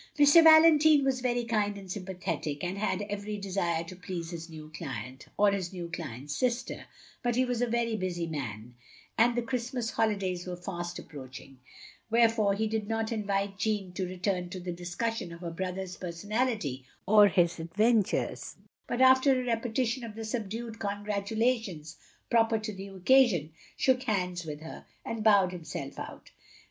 Mr. Valentine was very kind and sympathetic, and had every desire to please his new client — or his new client's sister; but he was a busy man, and the Christmas holidays were fast approaching; wherefore he did not invite Jeanne to return to the discussion of her brother's personality or his adventures, but after a repetition of the subdued OF GROSVENOR SQUARE 73 congratulations proper to the occasion, shook hands with her, and bowed himself out.